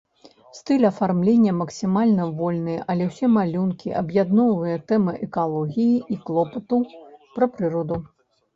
Стыль афармлення максімальна вольны, але ўсе малюнкі аб'ядноўвае тэма экалогіі і клопату пра прыроду.